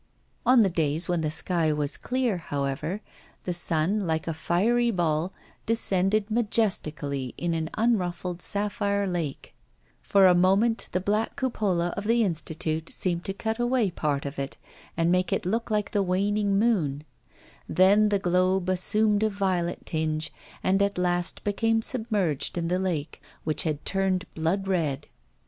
On the days when the sky was clear, however, the sun, like a fiery ball, descended majestically in an unruffled sapphire lake; for a moment the black cupola of the Institute seemed to cut away part of it and make it look like the waning moon; then the globe assumed a violet tinge and at last became submerged in the lake, which had turned blood red.